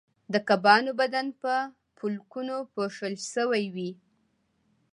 د کبانو بدن په پولکونو پوښل شوی دی